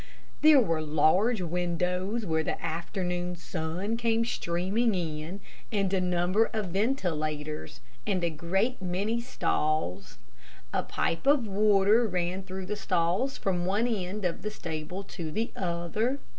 There were large windows where the afternoon sun came streaming in, and a number of ventilators, and a great many stalls. A pipe of water ran through the stalls from one end of the stable to the other.